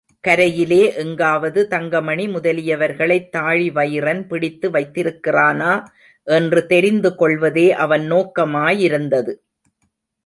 கரையிலே எங்காவது தங்கமணி முதலியவர்களைத் தாழிவயிறன் பிடித்து வைத்திருக்கிறானா என்று தெரிந்துகொள்வதே அவன் நோக்கமாயிருந்தது.